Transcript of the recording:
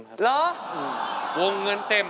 เหรอวงเงินเต็ม